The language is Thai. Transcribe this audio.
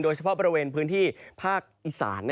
เฉพาะบริเวณพื้นที่ภาคอีสาน